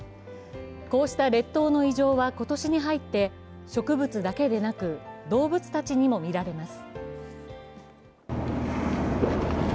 こうした列島の異常は、今年に入って植物だけでなく、動物たちにも見られます。